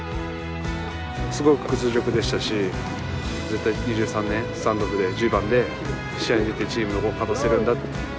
すごく屈辱でしたし絶対２３年スタンドオフで１０番で試合に出てチームを勝たせるんだって。